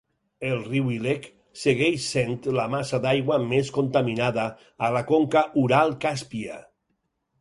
El riu Ilek segueix sent la massa d'aigua més contaminada a la conca Ural-Càspia.